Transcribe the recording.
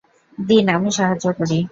দিন, আমি সাহায্য করি।